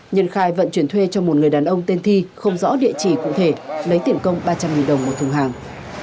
nhân khai vận chuyển thuê cho một người đàn ông tên thi không rõ địa chỉ cụ thể lấy tiền công ba trăm linh đồng một thùng hàng